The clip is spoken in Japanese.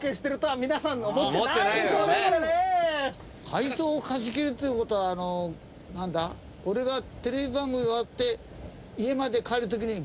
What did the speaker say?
回送を貸し切りっていう事はあのなんだ俺がテレビ番組終わって家まで帰る時にご一緒する。